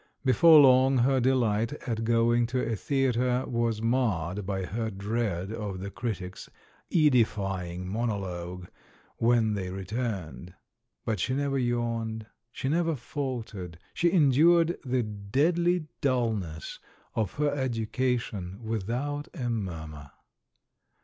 Before long, her delight at going to a theatre was marred by her dread of the critic's edifying monologue when they returned. But she never yawned, she never faltered — she endured TIME, THE HUMORIST 281 the deadly dulness of her education without a murmur.